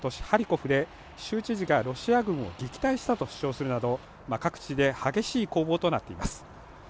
ハリコフで州知事がロシア軍を撃退したと主張するなども各地で激しい攻防となっています